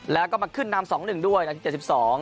แล้วก็มาขึ้นนาม๒๑ด้วยนาที๗๒